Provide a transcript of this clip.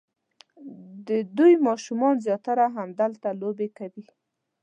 د دوی ماشومان زیاتره همدلته لوبې کوي.